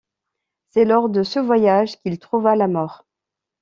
C'est lors de ce voyage qu'il trouva la mort.